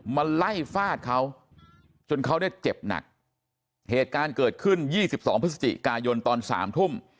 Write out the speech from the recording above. มาไล่ฟาดเขาจนเขาเนี่ยเจ็บหนักเหตุการณ์เกิดขึ้น๒๒พฤศจิกายนตอนสามทุ่ม